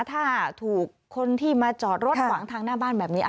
ถ้าถูกคนที่มาจอดรถขวางทางหน้าบ้านแบบนี้